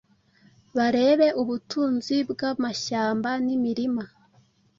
barebe ubutunzi bw’amashyamba n’imirima.